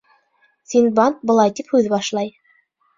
Синдбад былай тип һүҙ башлай: